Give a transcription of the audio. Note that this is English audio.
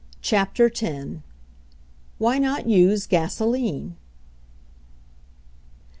CHAPTER X "why not use gasoline?"